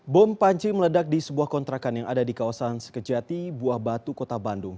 bom panci meledak di sebuah kontrakan yang ada di kawasan sekejati buah batu kota bandung